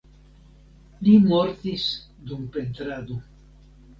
Li mortis dum pentrado.